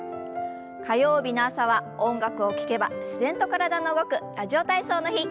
火曜日の朝は音楽を聞けば自然と体が動く「ラジオ体操」の日。